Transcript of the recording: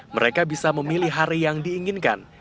mereka bisa memilih hari yang diinginkan